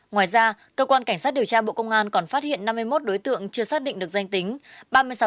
ngoài ra cơ quan cảnh sát điều tra bộ công an còn phát hiện năm mươi một đối tượng chưa xác định được danh tính